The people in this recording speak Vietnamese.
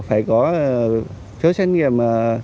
phải có số xét nghiệm